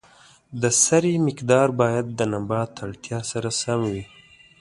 د سرې مقدار باید د نبات اړتیا سره سم وي.